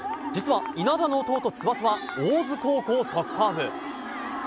実は稲田の弟・翼は大津高校サッカー部。